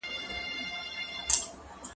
زه اوږده وخت سبزیجات جمع کوم،